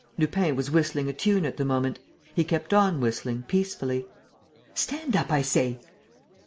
Lupin was whistling a tune at the moment. He kept on whistling, peacefully. "Stand up, I say!"